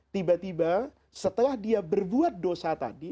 tiba tiba setelah dia berbuat dosa tadi